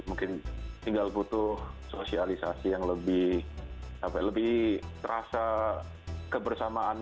mungkin tinggal butuh sosialisasi yang lebih terasa kebersamaan